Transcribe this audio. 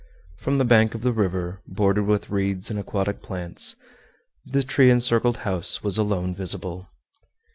From the bank of the river, bordered with reeds and aquatic plants, the tree encircled house was alone visible.